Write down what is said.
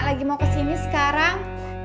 lagi mau kesini sekarang